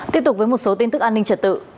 tiếp tục với một số tin tức an ninh trật tự